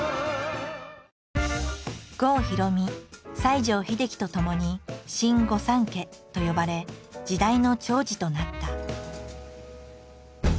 郷ひろみ西城秀樹とともに「新御三家」と呼ばれ時代の寵児となった。